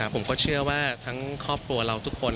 ผมก็เชื่อว่าทั้งครอบครัวเราทุกคน